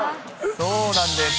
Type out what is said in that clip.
そうなんです。